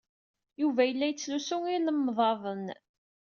Yuba yella yettlusu ilemḍaden.